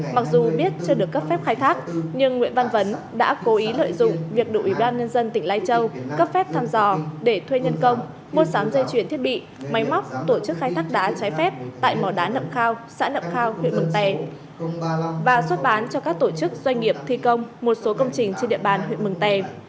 mặc dù biết chưa được cấp phép khai thác nhưng nguyễn văn vấn đã cố ý lợi dụng việc đủ ủy ban nhân dân tỉnh lai châu cấp phép thăm dò để thuê nhân công mua sắm dây chuyển thiết bị máy móc tổ chức khai thác đá trái phép tại mỏ đá nậm khao xã nậm khao huyện mường tè và xuất bán cho các tổ chức doanh nghiệp thi công một số công trình trên địa bàn huyện mường tè